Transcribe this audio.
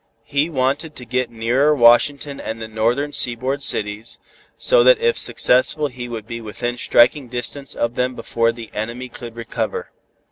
He wanted to get nearer Washington and the northern seaboard cities, so that if successful he would be within striking distance of them before the enemy could recover.